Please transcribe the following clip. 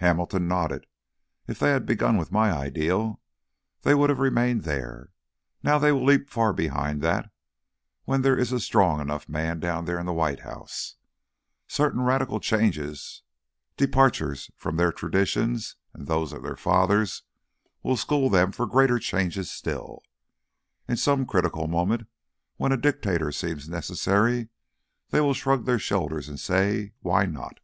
Hamilton nodded, "If they had begun with my ideal, they would have remained there. Now they will leap far behind that when there is a strong enough man down there in the White House. Certain radical changes, departures from their traditions and those of their fathers, will school them for greater changes still. In some great critical moment when a dictator seems necessary they will shrug their shoulders and say, 'Why not?'"